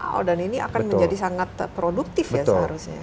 wow dan ini akan menjadi sangat produktif ya seharusnya